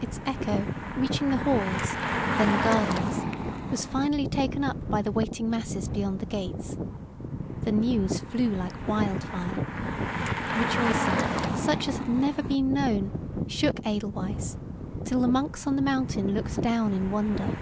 Its echo, reaching the halls, then the gardens, was finally taken up by the waiting masses beyond the gates. The news flew like wild fire. Rejoicing, such as had never been known, shook Edelweiss until the monks on the mountain looked down in wonder.